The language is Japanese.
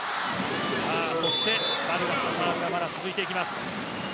そして、バルガスのサーブがまだ続いていきます。